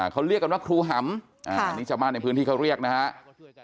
เขาเรียกกันว่าครูหำอันนี้ชาวบ้านในพื้นที่เขาเรียกนะครับ